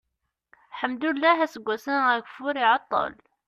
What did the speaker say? lḥemdullah aseggas-a ageffur iɛeṭṭel